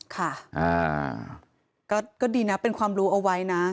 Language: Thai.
ค่ะก็ดีนะเป็นความรู้เอาไว้นะ